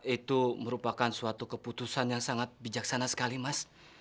itu merupakan suatu keputusan yang sangat bijaksana sekali mas